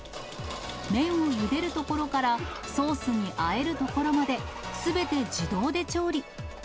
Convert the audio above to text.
麺をゆでるところからソースにあえるところまで、すべて自動で調理。